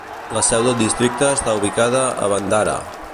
La seu del districte està ubicada a Bhandara.